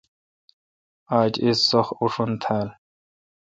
آج اس سخ اوشون تھال۔